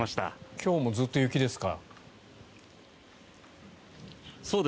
今日もずっと雪ですか？